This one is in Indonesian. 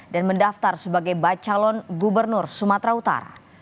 dan mendaftar sebagai bacalon gubernur sumatera utara